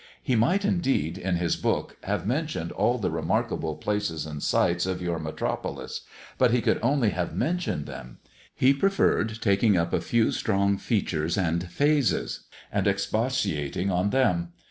He might indeed, in his book, have mentioned all the remarkable places and sights of your metropolis; but he could only have mentioned them. He preferred taking up a few strong features and phases, and expatiating on them.